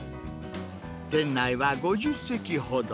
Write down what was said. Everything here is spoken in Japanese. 店内は５０席ほど。